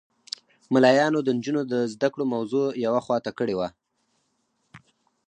ملایانو د نجونو د زده کړو موضوع یوه خوا ته کړې وه.